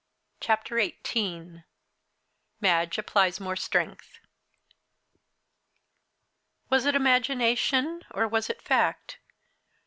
CHAPTER XVIII MADGE APPLIES MORE STRENGTH Was it imagination? Or was it fact?